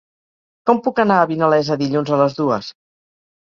Com puc anar a Vinalesa dilluns a les dues?